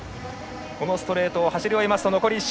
このストレートを走り終えると残り１周。